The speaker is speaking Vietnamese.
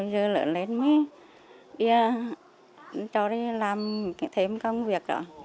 giờ lên mới cho đi làm thêm công việc